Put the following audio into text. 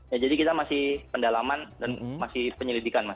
ya jadi kita masih pendalaman dan masih penyelidikan mas